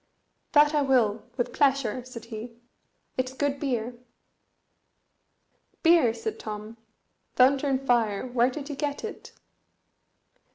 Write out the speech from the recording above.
"That I will, with pleasure," said he; "it's good beer." "Beer!" said Tom. "Thunder and fire! where did you get it?"